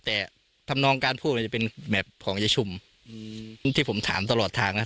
แต่ทำนองการพูดมันจะเป็นแบบของยายชุมที่ผมถามตลอดทางนะ